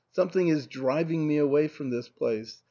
Something is driving me away from this place.